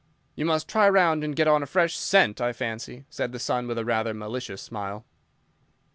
"You must try round and get on a fresh scent, I fancy," said the son with a rather malicious smile.